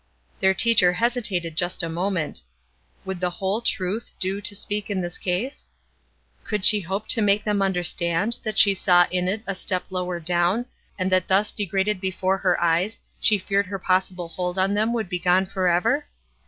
Their teacher hesitated just a moment. Would the "whole truth" do to speak in this case? Could she hope to make them understand that she saw in it a step lower down, and that thus degraded before her eyes, she feared her possible hold on them would be gone forever?